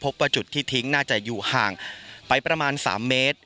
ว่าจุดที่ทิ้งน่าจะอยู่ห่างไปประมาณ๓เมตร